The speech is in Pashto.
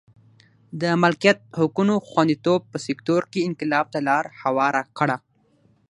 د مالکیت حقونو خوندیتوب په سکتور کې انقلاب ته لار هواره کړه.